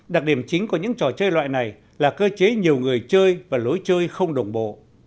đặc điểm chính của những trò chơi loại này là cơ chế nhiều người chơi và lối chơi không đồng bộ